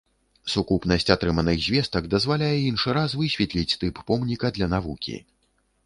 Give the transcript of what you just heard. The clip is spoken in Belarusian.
Сукупнасць атрыманых звестак дазваляе іншы раз высветліць тып помніка для навукі.